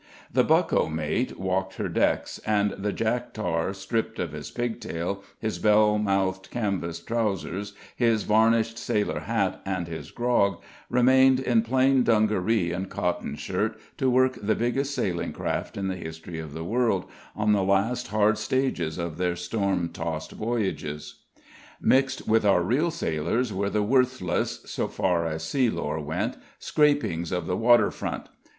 The "bucko mate" walked her decks, and the jack tar, stripped of his pigtail, his bell mouthed canvas trousers, his varnished sailor hat, and his grog, remained in plain dungaree and cotton shirt to work the biggest sailing craft in the history of the world on the last hard stages of their storm tossed voyages. Mixed with our real sailors were the worthless (so far as sea lore went) scrapings of the waterfront.